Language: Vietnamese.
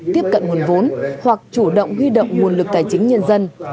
tiếp cận nguồn vốn hoặc chủ động huy động nguồn lực tài chính nhân dân